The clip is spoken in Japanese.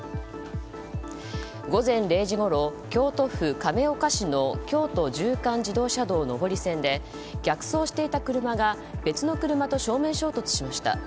午前０時ごろ、京都府亀岡市の京都縦貫自動車道上り線で逆走していた車が別の車と正面衝突しました。